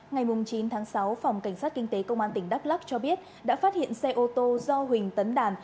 ngày chín tháng sáu phòng cảnh sát kinh tế công an tỉnh đắk lắc cho biết đã phát hiện xe ô tô do huỳnh tấn đàn